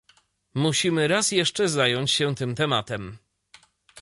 Musimy raz jeszcze zająć się tym tematem